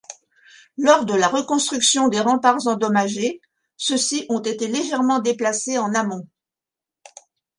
Lors de la reconstruction des remparts endommagés, ceux-ci ont été légèrement déplacés en amont.